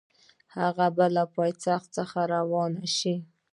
هغه به له پایتخت څخه روان شي.